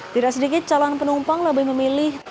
tidak sedikit calon penumpang lebih memilih